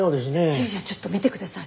いやいやちょっと見てください。